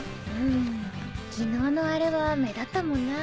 ん昨日のアレは目立ったもんな。